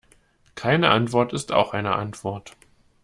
Keine Antwort ist auch eine Antwort.